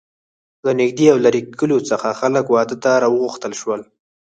له نږدې او لرې کلیو څخه خلک واده ته را وغوښتل شول.